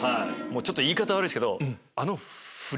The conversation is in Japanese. ちょっと言い方悪いですけど。